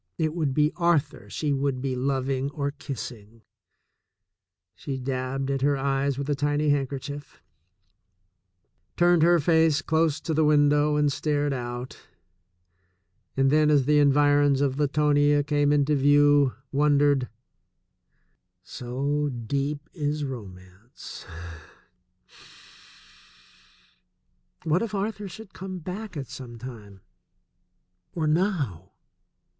It would be Arthur she would be loving or kissing. She dabbed at her eyes with a tiny handkerchief, turned her face close to the window and stared out, and then as the environs of Latonia came into view, wondered (so deep is ro mance) : What if Arthur should come back at some time — or now!